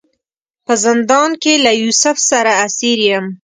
په زندان کې له یوسف سره اسیر یم.